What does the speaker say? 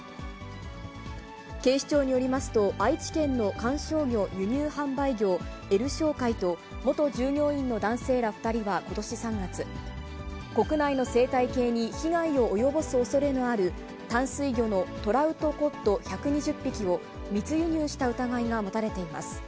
警視庁によりますと、愛知県の観賞魚輸入販売業、エル商会と元従業員の男性ら２人はことし３月、国内の生態系に被害を及ぼすおそれのある淡水魚のトラウトコッド１２０匹を、密輸入した疑いが持たれています。